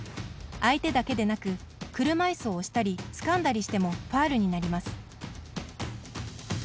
相手だけでなく車いすを押したりつかんだりしてもファウルになります。